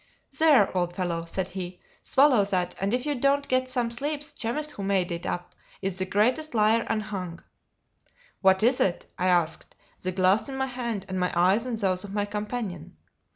"There, old fellow," said he; "swallow that, and if you don't get some sleep the chemist who made it up is the greatest liar unhung." "What is it?' I asked, the glass in my hand, and my eyes on those of my companion.